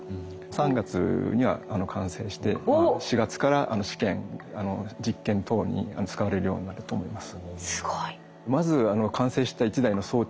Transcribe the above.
３月には完成して４月から試験実験等に使われるようになると思います。